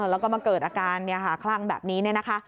แล้วก็มาเกิดอาการครั่งแบบนี้